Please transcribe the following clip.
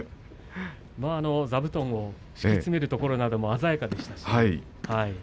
座布団を敷き詰めたところも鮮やかでした。